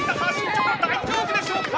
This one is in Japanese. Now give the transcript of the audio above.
チョコ大丈夫でしょうか？